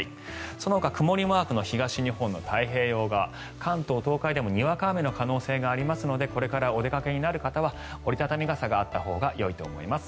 そのほか曇りマークの東日本の太平洋側関東、東海でもにわか雨の可能性がありますのでこれからお出かけになる方は折り畳み傘があったほうがよいと思います。